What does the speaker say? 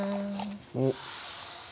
おっ！